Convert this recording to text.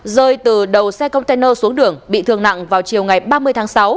rơi từ đầu xe container xuống đường bị thương nặng vào chiều ngày ba mươi tháng sáu